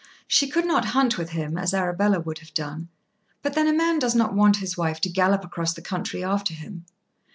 She could not hunt with him, as Arabella would have done; but then a man does not want his wife to gallop across the country after him.